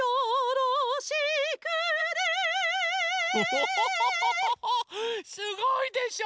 ホホホホホホホすごいでしょ！